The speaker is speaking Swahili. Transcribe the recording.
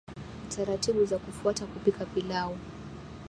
taratibu za kufuata kupika pilau